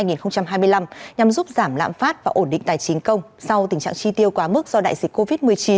nhằm giúp giảm lãm phát và ổn định tài chính công sau tình trạng chi tiêu quá mức do đại dịch covid một mươi chín